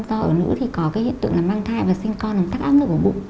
do ở nữ thì có cái hiện tượng là mang thai và sinh con làm thác áp nửa của bụng